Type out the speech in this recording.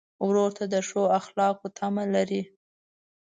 ورور ته د ښو اخلاقو تمه لرې.